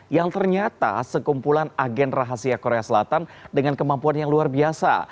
yang ternyata sekumpulan agen rahasia korea selatan dengan kemampuan yang luar biasa